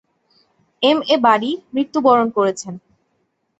M A Bari মৃত্যুবরণ করেছেন।